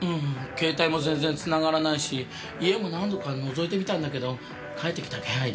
携帯も全然つながらないし家も何度か覗いてみたんだけど帰ってきた気配ないし。